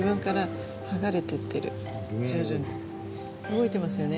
動いてますよね。